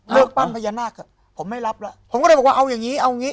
ปั้นพญานาคเถอะผมไม่รับแล้วผมก็เลยบอกว่าเอาอย่างงี้เอางี้